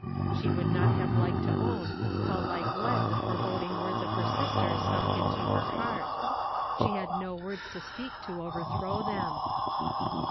Slie would not have liked to own how like lead the foreboding words of her sister sunk into her heart; she had no words to speak to overthrow them.